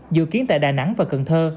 dự kiến tại đà nẵng và cần thơ